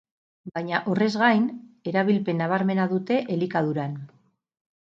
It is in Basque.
Baina horrez gain, erabilpen nabarmena dute elikaduran.